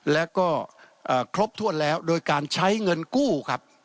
แล้วก็ครบถ้วนแล้วโดยการใช้เงินกู้ครับ